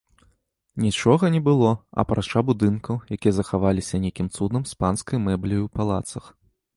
Нічога не было, апрача будынкаў, якія захаваліся нейкім цудам з панскай мэбляю ў палацах.